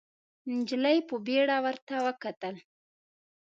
نجلۍ په بيړه ورته وکتل.